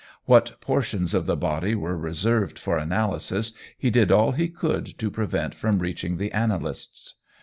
What portions of the body were reserved for analysis, he did all he could to prevent from reaching the analysts.